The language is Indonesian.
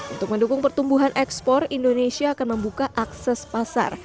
untuk mendukung pertumbuhan ekspor indonesia akan membuka akses pasar